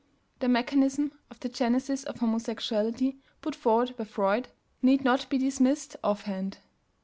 The mechanism of the genesis of homosexuality put forward by Freud need not be dismissed offhand.